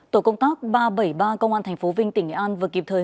tổ công tác ba trăm bảy mươi ba công an tp vinh tỉnh nghệ an vừa kịp thời